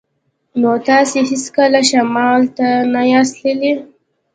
نو تاسې هیڅکله شمال ته نه یاست تللي